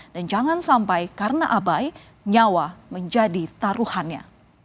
jangan sampai karena abai nyawa menjadi taruhannya